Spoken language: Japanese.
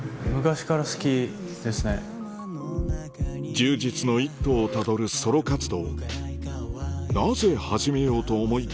充実の一途をたどるソロ活動